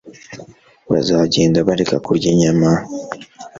bazagenda bareka kurya inyama